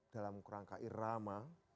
dalam kerangka irama